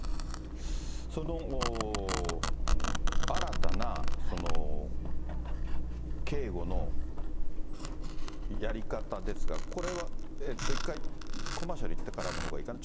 その新たな警護のやり方ですが、これは、一回コマーシャル行ってからのほうがいいかな。